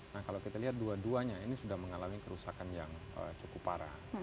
nah kalau kita lihat dua duanya ini sudah mengalami kerusakan yang cukup parah